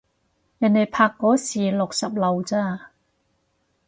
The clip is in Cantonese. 人哋拍嗰時六十路咋